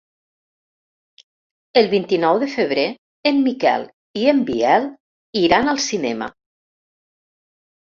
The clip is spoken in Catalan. El vint-i-nou de febrer en Miquel i en Biel iran al cinema.